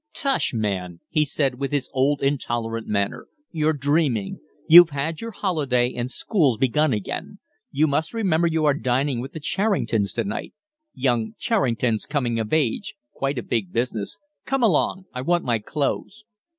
"Tush, man!" he said, with his old, intolerant manner. "You're dreaming. You've had your holiday and school's begun again. You must remember you are dining with the Charringtons to night. Young Charrington's coming of age quite a big business. Come along! I want my clothes."